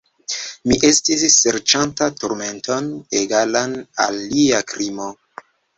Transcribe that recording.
Mi estis serĉanta turmenton egalan al lia krimo.